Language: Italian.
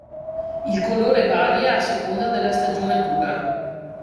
Il colore varia a seconda della stagionatura.